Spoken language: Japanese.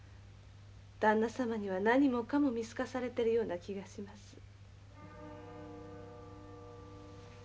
だんな様には何もかも見透かされてるような気がします。